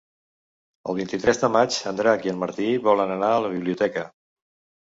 El vint-i-tres de maig en Drac i en Martí volen anar a la biblioteca.